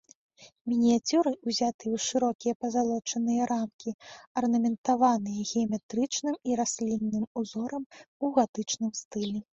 Мініяцюры ўзятыя ў шырокія пазалочаныя рамкі, арнаментаваныя геаметрычным і раслінным узорамі ў гатычным стылі.